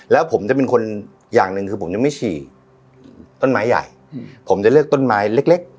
แล้วผมจะเป็นคนอย่างหนึ่งคือผมยังไม่ฉี่ต้นไม้ใหญ่ผมจะเลือกต้นไม้เล็ก